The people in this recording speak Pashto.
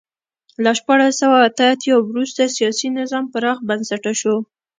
له شپاړس سوه اته اتیا وروسته سیاسي نظام پراخ بنسټه شو.